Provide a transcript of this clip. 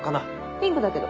ピンクだけど。